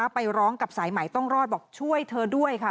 ไปร้องกับสายใหม่ต้องรอดบอกช่วยเธอด้วยค่ะ